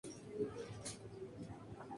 Su capital es la ciudad de Güstrow.